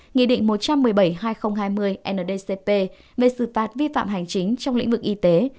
nghị định một trăm một mươi bảy hai nghìn hai mươi ndcp về xử phạt vi phạm hành chính trong lĩnh vực y tế